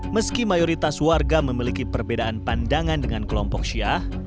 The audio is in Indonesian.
meski mayoritas warga memiliki perbedaan pandangan dengan kelompok syiah